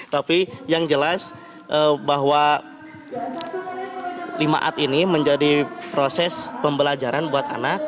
tapi yang jelas bahwa lima ad ini menjadi proses pembelajaran buat anak